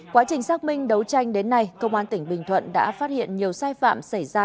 quá trình xác minh đấu tranh đến nay công an tỉnh bình thuận đã phát hiện nhiều sai phạm xảy ra